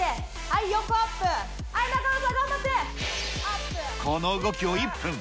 はい、この動きを１分。